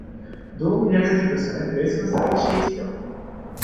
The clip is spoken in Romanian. Două miliarde de persoane trăiesc în sărăcie extremă.